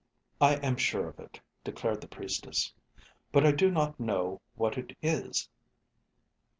"I am sure of it," declared the priestess. "But I do not know what it is.